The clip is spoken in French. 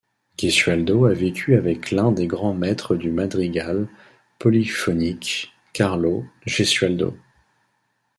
Gesualdo a vécu avec l'un des grands maîtres du madrigal polyphonique, Carlo Gesualdo.